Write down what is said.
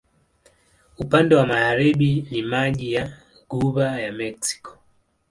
Upande wa magharibi ni maji wa Ghuba ya Meksiko.